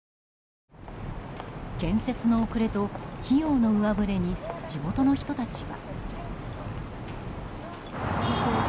建設の遅れと費用の上振れに地元の人たちは。